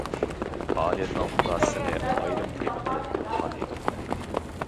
پائالىيەتنىڭ خۇلاسىسىنى ئايرىم تېما قىلىپ يوللىغان ئىدۇق.